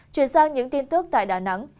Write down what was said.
chuyển sang những tin tức tại đà nẵng